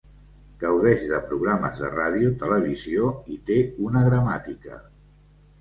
Gaudeix de programes de ràdio, televisió i té una gramàtica.